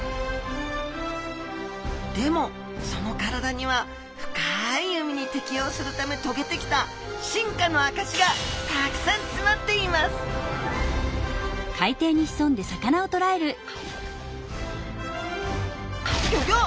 でもその体には深い海に適応するためとげてきた進化のあかしがたくさんつまっていますギョギョ！